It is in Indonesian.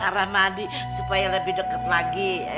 naramadi supaya lebih deket lagi